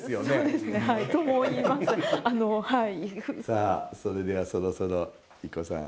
さあそれではそろそろＩＫＫＯさん。